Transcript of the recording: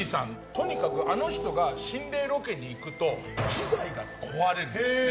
とにかく、あの人が心霊ロケに行くと機材が壊れるんです。